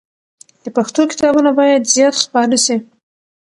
د پښتو کتابونه باید زیات خپاره سي.